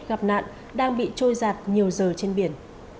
gặp nạn đang bị trôi giạt nhiều giờ trên biển